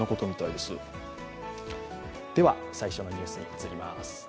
最初のニュースに移ります。